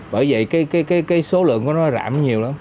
bởi vậy cái số lượng của nó giảm nhiều lắm